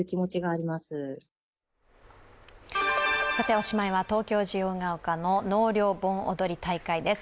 おしまいは東京・自由が丘の納涼盆踊り大会です。